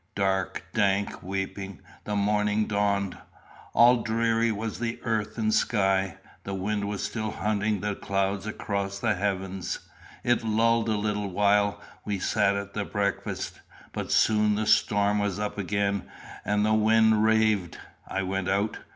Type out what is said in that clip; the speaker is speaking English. Dark, dank, weeping, the morning dawned. All dreary was the earth and sky. The wind was still hunting the clouds across the heavens. It lulled a little while we sat at breakfast, but soon the storm was up again, and the wind raved. I went out.